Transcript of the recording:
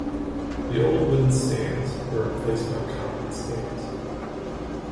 The old wooden stands were replaced by concrete stands.